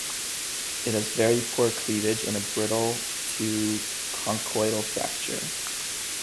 It has very poor cleavage and a brittle to conchoidal fracture.